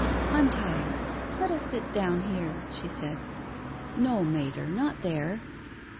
" I'm tired. Let us sit down here," she said. " No, Mater, not here."